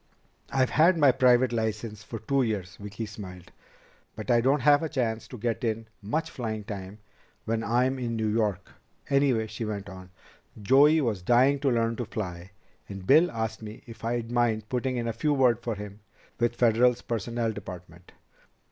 "I've had my private license for two years." Vicki smiled. "But I don't have a chance to get in much flying time when I'm in New York. Anyway," she went on, "Joey was dying to learn to fly, and Bill asked me if I'd mind putting in a good word for him with Federal's personnel department.